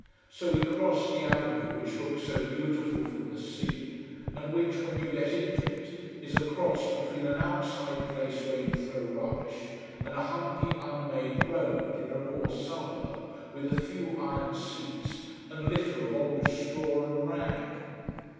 So we crossed the avenue which looks so beautiful from the sea, and which, when you get into it, is a cross between an outside place where you throw rubbish and a humpy unmade road in a raw suburb, with a few iron seats, and litter of old straw and rag.